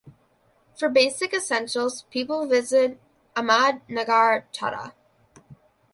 For Basic Essentials People visit Ahmad Nagar Chattha.